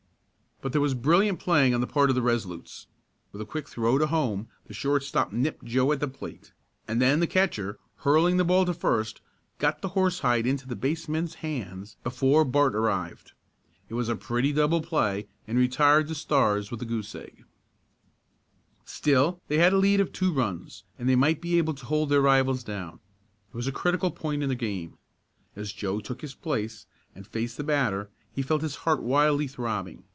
But there was brilliant playing on the part of the Resolutes. With a quick throw to home the shortstop nipped Joe at the plate, and then the catcher, hurling the ball to first, got the horsehide into the baseman's hands before Bart arrived. It was a pretty double play and retired the Stars with a goose egg. Still they had a lead of two runs and they might be able to hold their rivals down. It was a critical point in the game. As Joe took his place and faced the batter he felt his heart wildly throbbing.